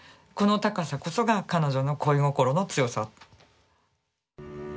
この高さこそが彼女の恋心の強さ。